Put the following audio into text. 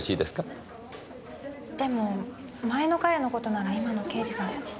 でも前の彼の事なら今の刑事さんたちに。